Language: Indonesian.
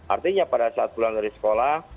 artinya pada saat pulang dari sekolah